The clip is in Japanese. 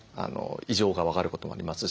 異常が分かることがありますし。